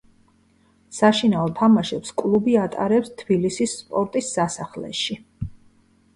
საშინაო თამაშებს კლუბი ატარებს თბილისის სპორტის სასახლეში.